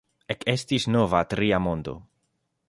Ekestis nova, "tria mondo".